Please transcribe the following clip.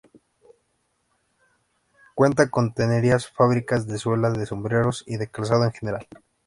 Cuenta con tenerías, fábricas de suela, de sombreros y de calzado en general.